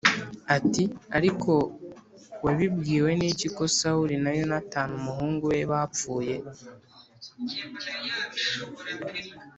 ati “Ariko wabibwiwe n’iki ko Sawuli na Yonatani umuhungu we bapfuye?”